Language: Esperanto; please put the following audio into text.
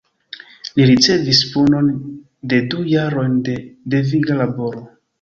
Li ricevis punon de du jarojn de deviga laboro.